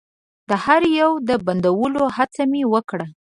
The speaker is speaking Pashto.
د هر يو د بندولو هڅه مې وکړه.